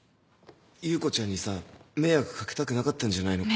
優子ちゃんにさ迷惑掛けたくなかったんじゃないの？